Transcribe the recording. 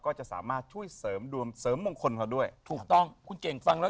ก็จะสามารถช่วยเสริมดวงเสริมมงคลเขาด้วยถูกต้องคุณเก่งฟังแล้ว